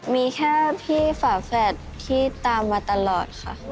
มีแค่พี่ฝาแฝดที่ตามมาตลอดค่ะ